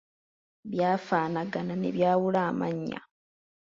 Byafaanagana ne byawula amannya.